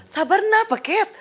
sabar nafas ket